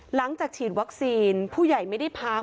หลังจากฉีดวัคซีนผู้ใหญ่ไม่ได้พัก